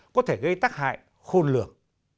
có thể gây tác hại khôn lược